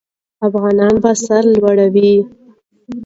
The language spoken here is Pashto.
افغانان به سرلوړي وي.